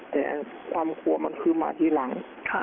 แต่ความขัวมันคือมาที่หลัง